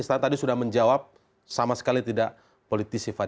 istana tadi sudah menjawab sama saja ya pak